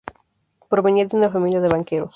Provenía de una familia de banqueros.